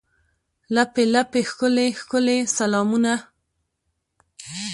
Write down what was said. لپې، لپې ښکلي، ښکلي سلامونه